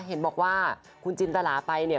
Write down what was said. เห็นบอกว่าคุณจินตลาไปเนี่ย